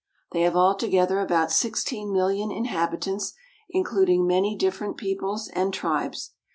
They have all together about sixteen miUion inhabitants, including many different peoples and tribes.